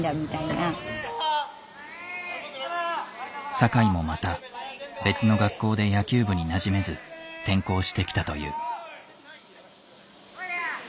酒井もまた別の学校で野球部になじめず転校してきたという。